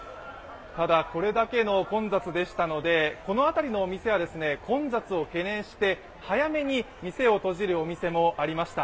ただこれだけの混雑でしたのでこの辺りのお店は混雑を懸念して早めに店を閉じるお店もありました。